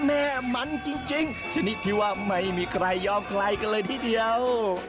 แม่มันจริงชนิดที่ว่าไม่มีใครยอมใครกันเลยทีเดียว